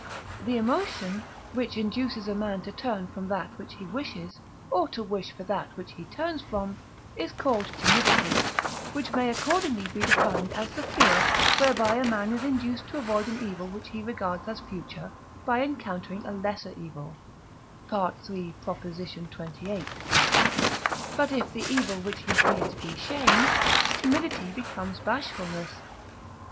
The emotion, which induces a man to turn from that which he wishes, or to wish for that which he turns from, is called timidity, which may accordingly be defined as the fear whereby a man is induced to avoid an evil which he regards as future by encountering a lesser evil (III. xxviii.). But if the evil which he fears be shame, timidity becomes bashfulness.